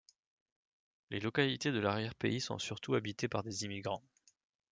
Les localités de l'arrière-pays sont surtout habités par des immigrants.